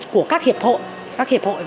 của các hiệp hội